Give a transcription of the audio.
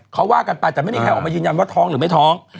เขาว่ากันไปแต่ไม่มีใครออกมายืนยันว่าท้องหรือไม่ท้อง